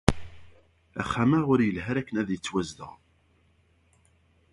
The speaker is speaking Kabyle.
Axxam-a ur yelhi ara akk akken ad yettwazdeɣ.